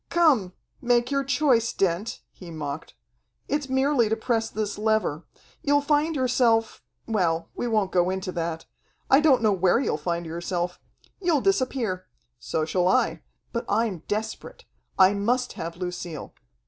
"Come, make your choice, Dent," he mocked. "It's merely to press this lever. You'll find yourself well, we won't go into that. I don't know where you'll find yourself. You'll disappear. So shall I. But I'm desperate. I must have Lucille.